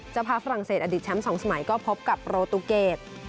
เจ้าภาพฝรั่งเศสอดีตแชมป์๒สมัยก็พบกับโปรตูเกต